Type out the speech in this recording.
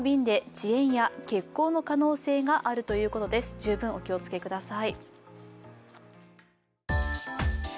十分お気をつけください。